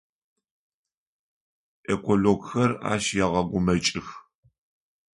Экологхэр ащ егъэгумэкӏых.